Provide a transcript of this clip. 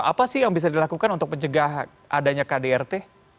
apa sih yang bisa dilakukan untuk mencegah adanya kdrt